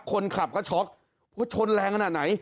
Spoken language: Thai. คนขับก็ช็อกว่าชนแรงขนาดไหน